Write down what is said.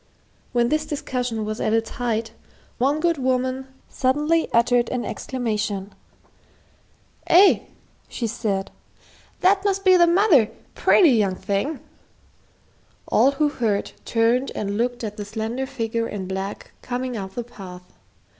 When this discussion was at its height, one good woman suddenly uttered an exclamation. "Eh," she said, "that must be the mother, pretty young thing." All who heard turned and looked at the slender figure in black coming up the path.